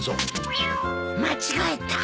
間違えた！